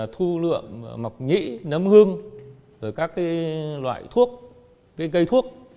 thu lượng mọc nhĩ nấm hương các loại thuốc cây thuốc